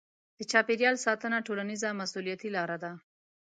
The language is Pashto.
د چاپیریال ساتنه ټولنیزه مسوولیتي لاره ده.